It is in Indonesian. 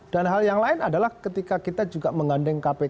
dan hal yang lain adalah ketika kita juga mengandeng kpk